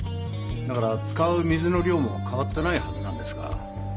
だから使う水の量もかわってないはずなんですが。